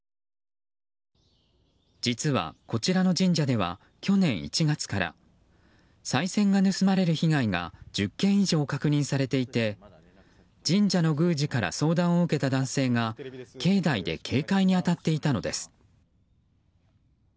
実は、こちらの神社では去年１月からさい銭が盗まれる被害が１０件以上確認されていて神社の宮司から相談を受けた男性が境内で警戒に当たっていたのです。